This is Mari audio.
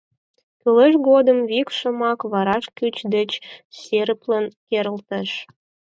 Кӱлеш годым Вик шомак вараш кӱч деч серыплын керылтеш.